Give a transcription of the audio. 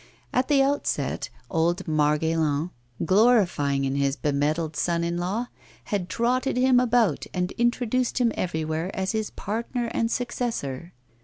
At the outset, old Margaillan, glorifying in his bemedalled son in law, had trotted him about and introduced him everywhere as his partner and successor.